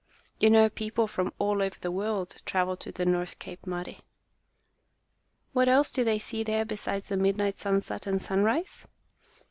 You know people from all over the world travel to the North Cape, Mari." "What else do they see there besides the midnight sunset and sunrise?"